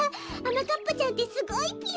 まかっぱちゃんってすごいぴよ。